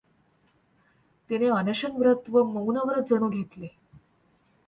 तिने अनशनव्रत व मौनव्रत जणू घेतले.